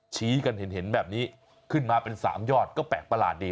ชี้กันเห็นแบบนี้ขึ้นมาเป็น๓ยอดก็แปลกประหลาดดี